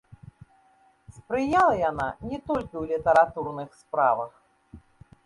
Спрыяла яна не толькі ў літаратурных справах.